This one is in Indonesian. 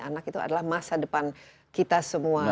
anak itu adalah masa depan kita semua